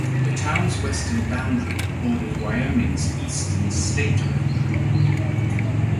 The town's western boundary borders Wyoming's eastern state boundary.